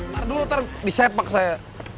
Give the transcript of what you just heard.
ntar dulu ntar disepak saya